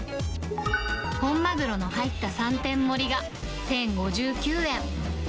本マグロの入った３点盛りが１０５９円。